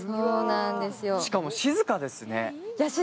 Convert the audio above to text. しかも静かですね。